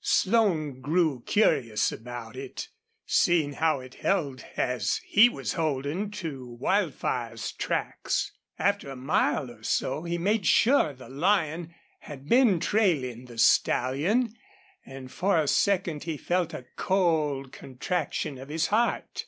Slone grew curious about it, seeing how it held, as he was holding, to Wildfire's tracks. After a mile or so he made sure the lion had been trailing the stallion, and for a second he felt a cold contraction of his heart.